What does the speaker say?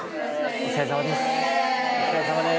お疲れさまです。